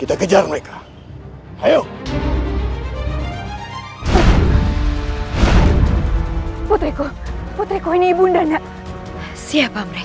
aku harus mencari tempat yang lebih aman